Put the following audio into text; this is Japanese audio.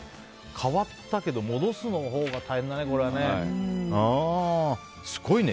変わったけど戻すほうが大変だね、これはね。